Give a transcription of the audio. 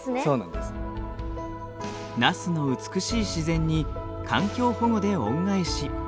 那須の美しい自然に環境保護で恩返し。